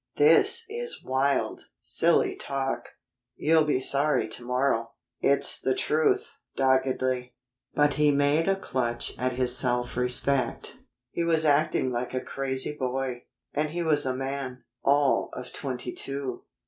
"This is wild, silly talk. You'll be sorry to morrow." "It's the truth," doggedly. But he made a clutch at his self respect. He was acting like a crazy boy, and he was a man, all of twenty two!